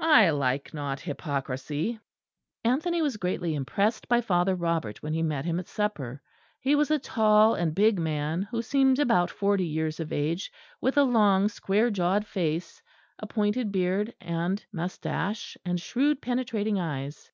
I like not hypocrisy." Anthony was greatly impressed by Father Robert when he met him at supper. He was a tall and big man, who seemed about forty years of age, with a long square jawed face, a pointed beard and moustache, and shrewd penetrating eyes.